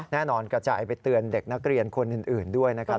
กระจายไปเตือนเด็กนักเรียนคนอื่นด้วยนะครับ